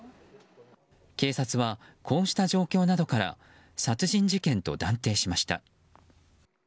警察は、こうした状況などから殺人事件と断定しました。